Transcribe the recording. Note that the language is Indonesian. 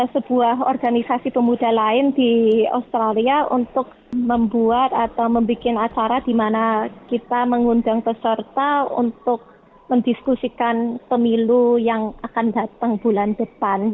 sebuah organisasi pemuda lain di australia untuk membuat atau membuat acara di mana kita mengundang peserta untuk mendiskusikan pemilu yang akan datang bulan depan